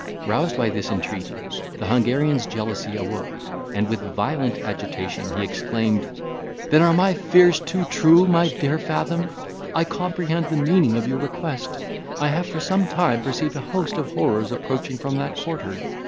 Roused by this entreaty, the Hungarian's jealousy awoke, and with violent agitation, he exclaimed, "Then are my fears too true, my dear Fathom: I comprehend the meaning of your request. I have for some time perceived an host of horrors approaching from that quarter.